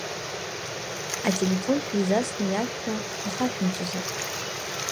Ателефон шәизасны иашәҳәа ихашәымҵозар?